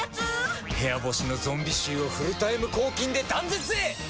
部屋干しのゾンビ臭をフルタイム抗菌で断絶へ！